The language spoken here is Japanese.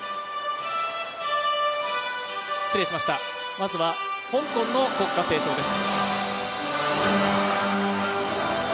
まずは香港の国歌斉唱です。